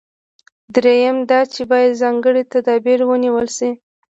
درېیم دا چې باید ځانګړي تدابیر ونیول شي.